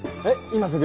今すぐ？